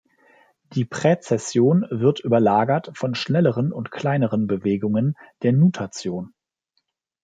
Die Präzession wird überlagert von schnelleren und kleineren Bewegung, der Nutation.